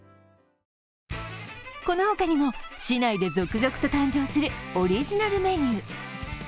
この他にも、市内で続々と誕生するオリジナルメニュー。